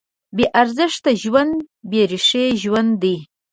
بېارزښته ژوند بېریښې ژوند دی.